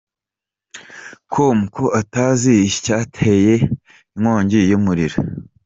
com ko atazi icyateye inkongi y'umuriro.